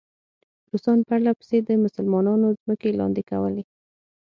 روسان پرله پسې د مسلمانانو ځمکې لاندې کولې.